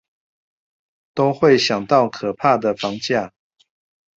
都會想到可怕的房價